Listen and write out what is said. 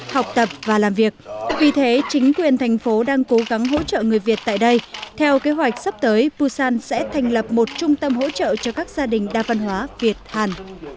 học tập và làm việc vì thế chính quyền thành phố đang cố gắng hỗ trợ người việt tại đây theo kế hoạch sắp tới busan sẽ thành lập một trung tâm hỗ trợ cho các gia đình đa văn hóa việt hàn